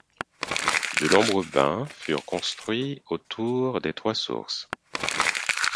De nouveaux bains furent construits autour des trois sources.